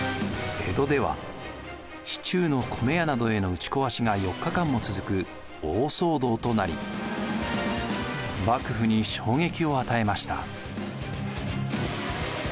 江戸では市中の米屋などへの打ちこわしが４日間も続く大騒動となり幕府に衝撃を与えました。